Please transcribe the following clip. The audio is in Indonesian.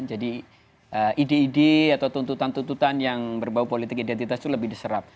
jadi ide ide atau tuntutan tuntutan yang berbau politik identitas itu lebih diserap